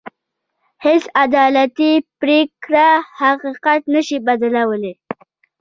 هېڅ عدالتي پرېکړه حقيقت نه شي بدلولی.